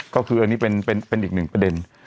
ก็คืออันนี้เป็นอีกหนึ่งประเด็น